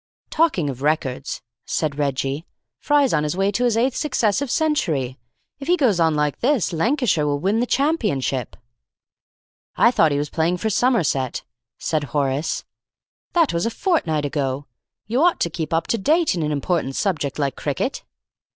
"Talking of records," said Reggie, "Fry's on his way to his eighth successive century. If he goes on like this, Lancashire will win the championship." "I thought he was playing for Somerset," said Horace. "That was a fortnight ago. You ought to keep up to date in an important subject like cricket."